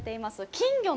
金魚？